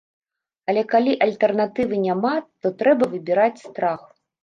Але калі альтэрнатывы няма, то трэба выбіраць страх.